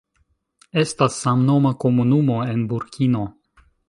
Estas samnoma komunumo en Burkino.